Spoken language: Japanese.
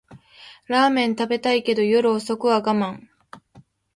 ラーメン食べたいけど夜遅くは我慢